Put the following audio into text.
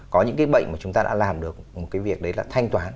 có những cái bệnh mà chúng ta đã làm được một cái việc đấy là thanh toán